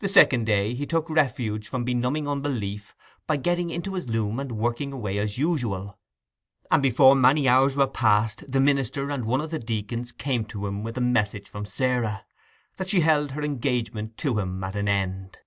The second day he took refuge from benumbing unbelief, by getting into his loom and working away as usual; and before many hours were past, the minister and one of the deacons came to him with the message from Sarah, that she held her engagement to him at an end.